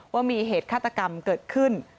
ว่ามีเหตุฆาตกรรมเกิดขึ้น